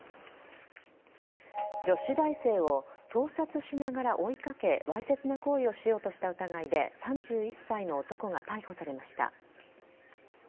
女子大生を盗撮しながら追いかけわいせつな行為をしようとした疑いで３１歳の男が逮捕されました。